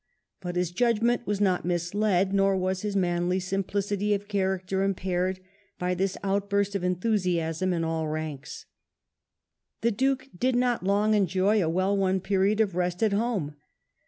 But his judgment was not misled, nor was his manly simplicity of character im paired by this outburst of enthusiasm in all ranks. The Duke did not long enjoy a well won period of rest at home.